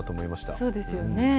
そうですよね。